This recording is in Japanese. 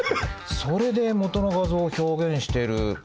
それで元の画像を表現しているっていう。